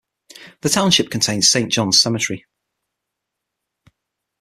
The township contains Saint Johns Cemetery.